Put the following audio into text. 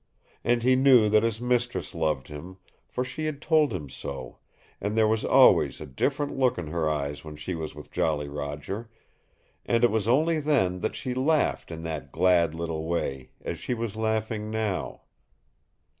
And he knew that his mistress loved him, for she had told him so, and there was always a different look in her eyes when she was with Jolly Roger, and it was only then that she laughed in that glad little way as she was laughing now.